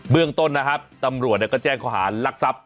เรื่องต้นนะครับตำรวจก็แจ้งข้อหารลักทรัพย์